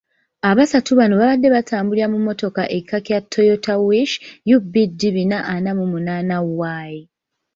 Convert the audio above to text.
Abasatu bano baabadde batambulira mu mmotoka ekika kya Toyota Wish UBD bina ana mu munaana Y.